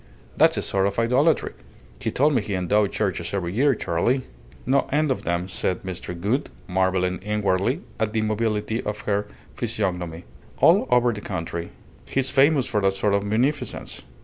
That's a sort of idolatry. He told me he endowed churches every year, Charley." "No end of them," said Mr. Gould, marvelling inwardly at the mobility of her physiognomy. "All over the country. He's famous for that sort of munificence."